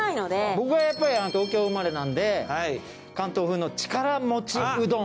僕はやっぱり東京生まれなので関東風のちから餅うどん。